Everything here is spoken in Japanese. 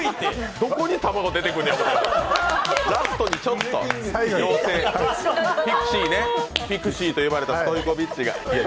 どこに卵出てくるのや、ラストにちょっとね、ピクシーとよばれたストイコビッチが。